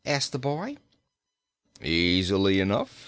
asked the boy. "Easily enough.